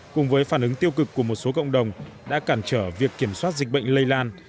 cùng với phản ứng tiêu cực của một số cộng đồng đã cản trở việc kiểm soát dịch bệnh lây lan